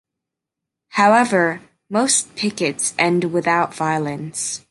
However, most pickets end without violence.